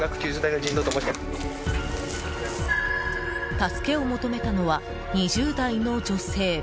助けを求めたのは２０代の女性。